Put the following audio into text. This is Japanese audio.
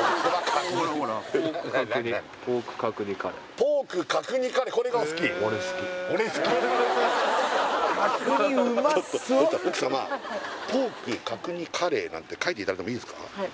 「ポーク角煮カレー」なんて書いていただいてもいいですかはい